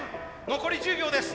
残り１０秒です！